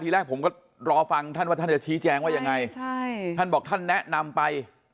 แรกผมก็รอฟังท่านว่าท่านจะชี้แจงว่ายังไงใช่ท่านบอกท่านแนะนำไป